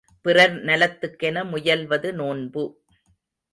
பிறர் நலத்துக்கென முயல்வது நோன்பு.